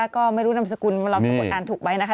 ก็ไม่รู้ทางรอบสกุลอ่านถูกไหมนะคะ